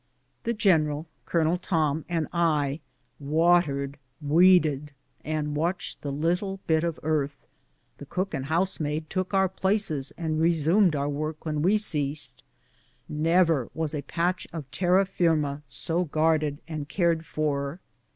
The general. Colonel Tom, and I watered, weeded, and watched the little bit of earth ; the cook and house maid took our places and resumed our work when we ceased. liever was a patch of terra firma so guarded and cared for